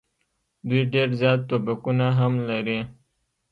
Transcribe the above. دوی ډېر زیات توپکونه هم لري.